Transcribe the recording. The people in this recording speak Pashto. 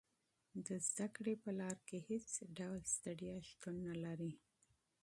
د زده کړې په لار کې هېڅ ډول ستړیا شتون نه لري.